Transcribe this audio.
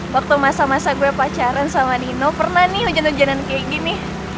waktu masa masa gue pacaran sama nino pernah nih hujan hujanan kayak gini